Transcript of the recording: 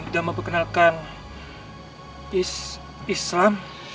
dan memperkenalkan islam